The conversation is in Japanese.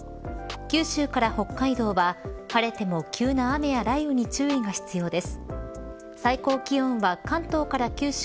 九州から北海道は晴れても急な雨や雷雨に注意が必要です。